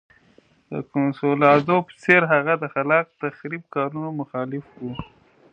د کنسولاډو په څېر هغه د خلاق تخریب کارونو مخالف و.